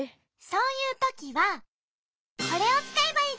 そういうときはこれをつかえばいいじゃない。